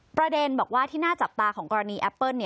ประเด็นบอกว่าที่น่าจับตาของกรณีแอปเปิ้ล